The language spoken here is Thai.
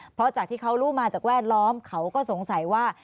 เพราะจากที่เขารู้มาจากแวดล้อมเขาก็สงสัยว่า